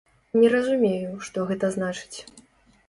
Не разумею, што гэта значыць.